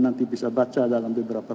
nanti bisa baca dalam beberapa